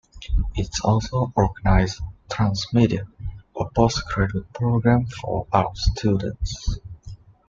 It also organizes Transmedia, a postgraduate programme for art students.